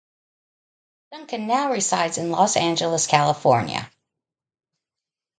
Duncan now resides in Los Angeles, California.